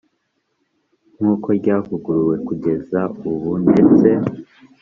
Nk uko ryavuguruwe kugeza ubu ndetse